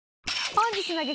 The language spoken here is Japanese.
本日の激